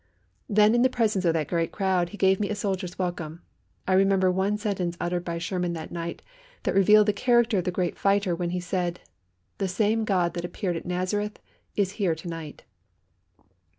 Then in the presence of that great crowd he gave me a soldier's welcome. I remember one sentence uttered by Sherman that night that revealed the character of the great fighter when he said, "The same God that appeared at Nazareth is here to night."